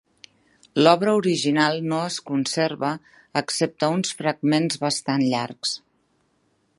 L'obra original no es conserva excepte uns fragments bastant llargs.